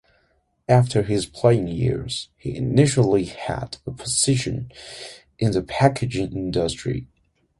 After his playing years he initially had a position in the packaging industry.